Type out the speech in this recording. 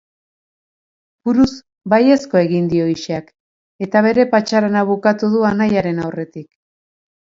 Buruz baiezkoa egin dio Xk, eta bere patxarana bukatu du anaiaren aurretik.